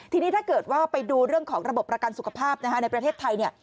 ทีนี้ถ้าเกิดว่าไปดูเรื่องของระบบประกันสุขภาพในประเทศไทยเนี่ย